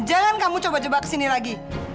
jangan kamu coba coba kesini lagi